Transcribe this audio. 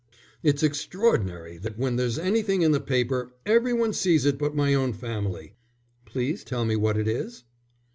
"It's extraordinary that when there's anything in the paper, every one sees it but my own family." "Please tell me what it is."